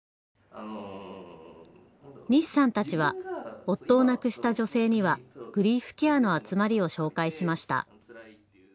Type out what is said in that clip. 西さんたちは、夫を亡くした女性にはグリーフケアの集まりを紹介しました。